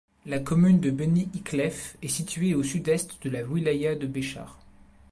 La commune de Beni Ikhlef est située au sud-est de la wilaya de Béchar.